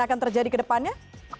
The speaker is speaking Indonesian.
akan terjadi ke depannya